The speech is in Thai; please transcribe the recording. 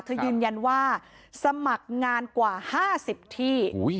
ยืนยันว่าสมัครงานกว่า๕๐ที่